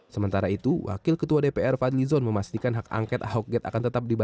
sementara itu wakil ketua dpr fadli zon memastikan hak angket ahok gate akan tetap diberikan